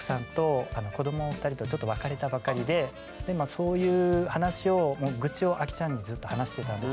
そういう話を愚痴をアキちゃんにずっと話してたんです。